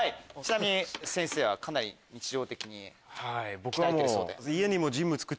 先生はかなり日常的に鍛えてるそうで。